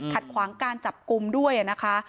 ขวางการจับกลุ่มด้วยนะคะ